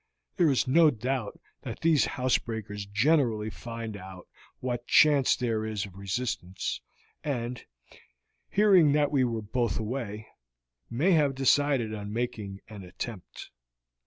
There is no doubt these housebreakers generally find out what chance there is of resistance, and, hearing that we were both away, may have decided on making an attempt.